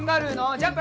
ジャンプ！